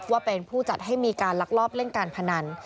ว่าเป็นผู้จัดให้มีการลักลอบเล่นการพนัน